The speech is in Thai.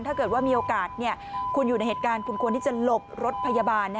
ถ้าเกิดว่ามีโอกาสคุณอยู่ในเหตุการณ์คุณควรที่จะหลบรถพยาบาล